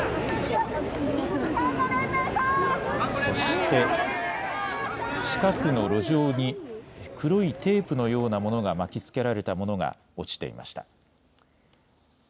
そして近くの路上に黒いテープのようなものが巻きつけられたものが落ちていました。